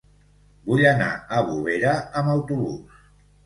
Vull anar a Bovera amb autobús.